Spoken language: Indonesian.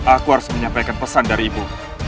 aku harus menyampaikan pesan dari ibu